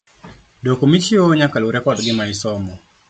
Duoko michiwo nyaka lure kod gima isomo.